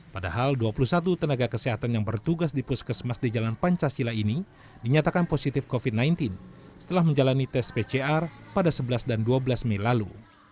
padahal dua puluh satu tenaga kesehatan yang bertugas di puskesmas di jalan pancasila ini dinyatakan positif covid sembilan belas setelah menjalani tes pcr pada sebelas dan dua belas mei lalu